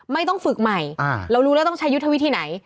ไม่ต้องฝึกใหม่เรารู้แล้วต้องใช้ยุทธวิธีไหน